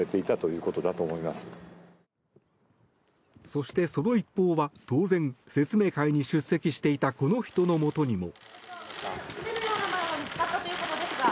そして、その一報は当然説明会に出席していたこの人のもとにも。